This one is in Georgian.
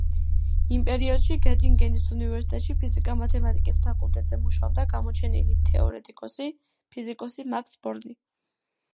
იმ პერიოდში გეტინგენის უნივერსიტეტში ფიზიკა-მათემატიკის ფაკულტეტზე მუშაობდა გამოჩენილი თეორეტიკოსი-ფიზიკოსი მაქს ბორნი.